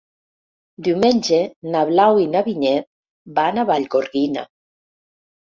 Diumenge na Blau i na Vinyet van a Vallgorguina.